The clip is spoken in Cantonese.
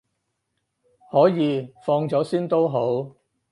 可以，放咗先都好